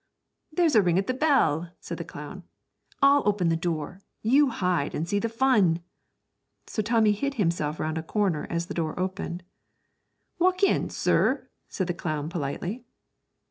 'There's a ring at the bell,' said the clown; 'I'll open the door, and you hide and see the fun.' So Tommy hid himself round a corner as the door opened. 'Walk in, sir,' said the clown, politely.